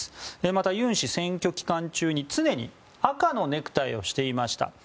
また、尹氏は選挙期間中に常に赤のネクタイをしていました。